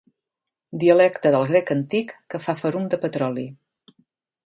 Dialecte del grec antic que fa ferum de petroli.